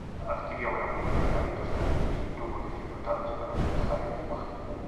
Adquirió gran número de hábitos caninos y tuvo dificultades para manejar el lenguaje.